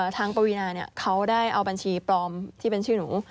ปวีนาเขาได้เอาบัญชีปลอมที่เป็นชื่อหนู